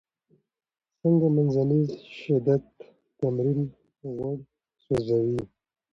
څنګه منځنی شدت تمرین غوړ سوځوي؟